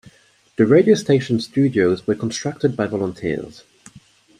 The radio station studios were constructed by volunteers.